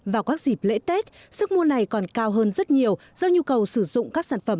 vào các dịp lễ tết sức mua này còn cao hơn rất nhiều do nhu cầu sử dụng các sản phẩm